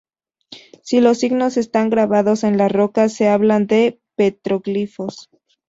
Si los signos están grabados en la roca, se habla de petroglifos.